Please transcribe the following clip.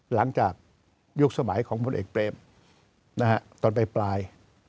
หลังจากยุคสมัยของบนเอกเปรมตอนใบปลาย